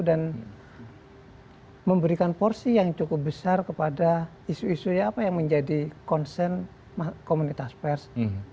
dan memberikan porsi yang cukup besar kepada isu isu ya apa yang menjadi konsen komunitas pers